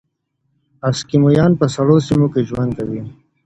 اسکیمویان په سړو سیمو کې ژوند کوي.